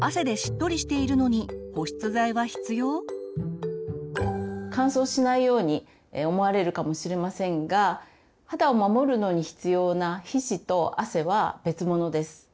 夏は乾燥しないように思われるかもしれませんが肌を守るのに必要な皮脂と汗は別物です。